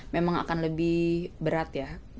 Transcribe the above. memang akan lebih berat ya